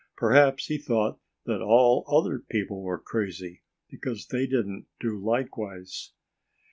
Perhaps he thought that all other people were crazy because they didn't do likewise.